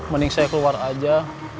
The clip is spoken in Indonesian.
mending saya keluar aja